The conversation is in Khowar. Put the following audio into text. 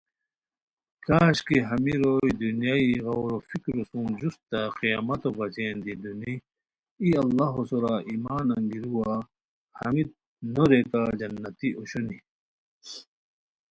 کاش کی ہمی روئے دنیائی غورو فکرو سُم جوستہ قیامتو بچین دی دونی ای اللہ ہو سورا ایمان انگیروا ہمیت نوریکا جنتی اوشونی